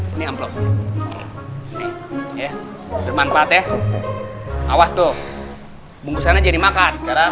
ini amplop ya bermanfaat ya awas tuh bungkusannya jadi makan sekarang